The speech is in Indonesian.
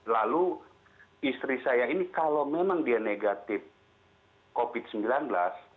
lalu istri saya ini kalau memang dia negatif covid sembilan belas